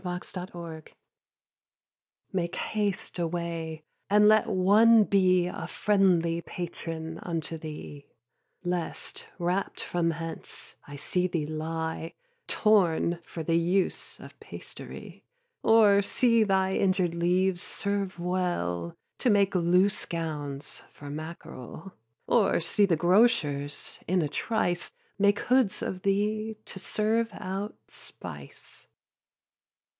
4. TO HIS BOOK Make haste away, and let one be A friendly patron unto thee; Lest, rapt from hence, I see thee lie Torn for the use of pastery; Or see thy injured leaves serve well To make loose gowns for mackarel; Or see the grocers, in a trice, Make hoods of thee to serve out spice.